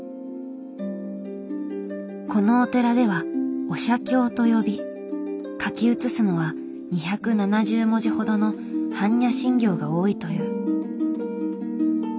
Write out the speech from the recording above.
このお寺では「お写経」と呼び書き写すのは２７０文字ほどの「般若心経」が多いという。